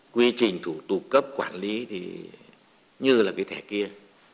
quy trình thủ tục cấp quản lý thì như là cái thẻ kia